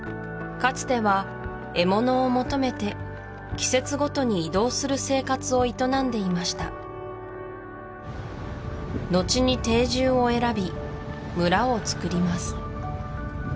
かつては獲物を求めて季節ごとに移動する生活を営んでいましたのちに定住を選び村をつくります